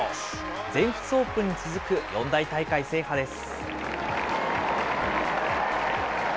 全仏オープンに続く四大大会制覇です。